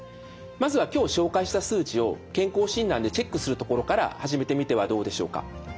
まずは今日紹介した数値を健康診断でチェックするところから始めてみてはどうでしょうか。